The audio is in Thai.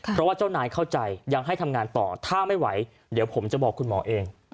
เพราะว่าเจ้านายเข้าใจยังให้ทำงานต่อถ้าไม่ไหวเดี๋ยวผมจะบอกคุณหมอเอง